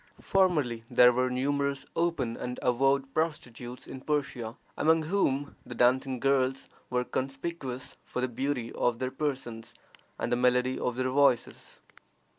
Formerly there were numerous open and avowed prostitutes in Persia, among whom the dancing girls were conspicuous for the beauty of their persons and the melody of their voices.